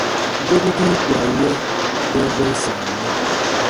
Gobigii ku ra n yɛ̃ bwɛ̃ɛbwɛ̃ɛ sãaru mɔ.